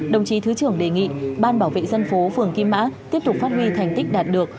đồng chí thứ trưởng đề nghị ban bảo vệ dân phố phường kim mã tiếp tục phát huy thành tích đạt được